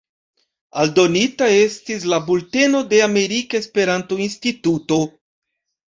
Aldonita estis la "Bulteno de Amerika Esperanto-Instituto".